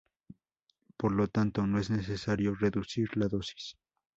Por lo tanto, no es necesario reducir la dosis.